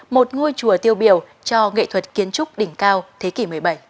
một ngôi chùa tiêu biểu cho nghệ thuật kiến trúc đỉnh cao thế kỷ một mươi bảy